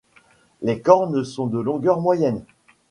Les cornes sont de longueur moyenne.